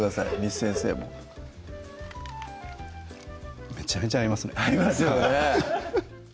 簾先生もめちゃめちゃ合いますね合いますよね